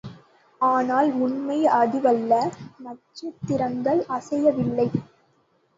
ஆனால், உண்மை அதுவல்ல, நட்சத்திரங்கள் அசையவில்லை.